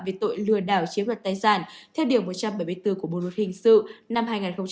về tội lừa đảo chiếm đoạt tài sản theo điều một trăm bảy mươi bốn của bộ luật hình sự năm hai nghìn một mươi năm